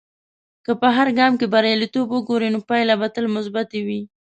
که په هر ګام کې بریالیتوب وګورې، نو پایلې به تل مثبتي وي.